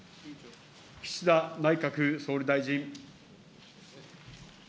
岸田内閣総理大臣。